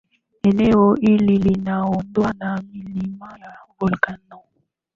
eneo hili linaundwa na milima ya volcano